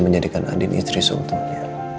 menjadikan andin istri seuntungnya